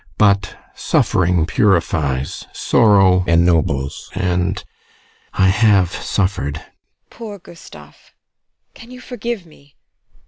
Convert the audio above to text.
But suffering purifies, sorrow ennobles, and I have suffered! TEKLA. Poor Gustav! Can you forgive me?